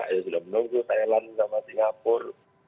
ada juga menunggu thailand sama singapura